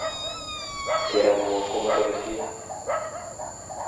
kerat mok komo tolosiet